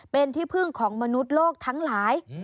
เป็นที่พึ่งของมนุษย์โลกทั้งหลาย